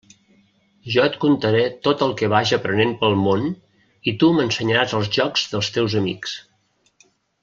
Jo et contaré tot el que vaja aprenent pel món i tu m'ensenyaràs els jocs dels teus amics.